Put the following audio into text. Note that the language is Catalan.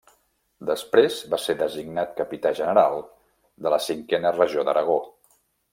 Després va ser designat Capità General de la Cinquena Regió d'Aragó.